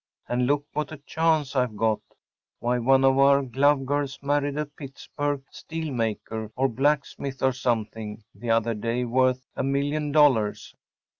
And look what a chance I’ve got! Why, one of our glove girls married a Pittsburg‚ÄĒsteel maker, or blacksmith or something‚ÄĒthe other day worth a million dollars.